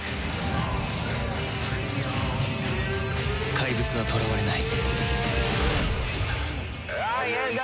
怪物は囚われない